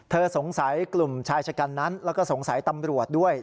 สงสัยกลุ่มชายชะกันนั้นแล้วก็สงสัยตำรวจด้วย